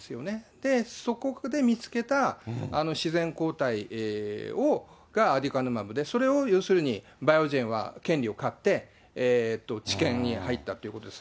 で、そこで見つけた自然抗体がアデュカヌマブでそれを要するに、バイオジェンは権利を買って、治験に入ったということです。